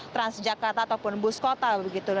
transjakarta ataupun bus kota begitu